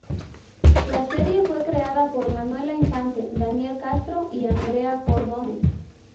La serie fue creada por Manuela Infante, Daniel Castro y Andrea Cordones.